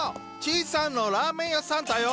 陳さんのラーメン屋さんだよ。